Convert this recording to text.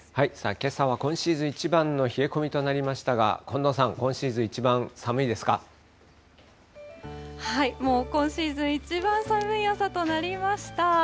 けさは今シーズン一番の冷え込みとなりましたが、近藤さん、もう、今シーズン一番寒い朝となりました。